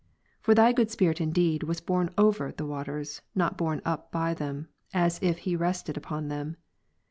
For Thy good Spirit indeed ivas borne over the waters, not borne up Gen. 1, by them as if He rested upon them.